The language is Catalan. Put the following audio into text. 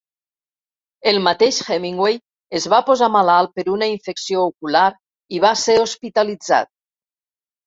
El mateix Hemingway es va posar malalt per una infecció ocular i va ser hospitalitzat.